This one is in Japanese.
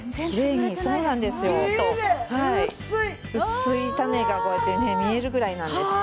薄い種がこうやってね見えるぐらいなんですよ。